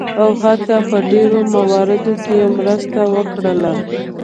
او حتی په ډیرو مواردو کې مرسته وکړله.